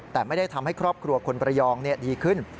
แต่ไม่ได้ทำให้ครอบครัวคนประยองดีขึ้น